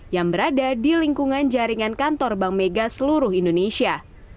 yang berada di lingkungan jaringan kantor bank mega seluruh indonesia